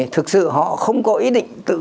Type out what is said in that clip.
thực sự họ không có ý định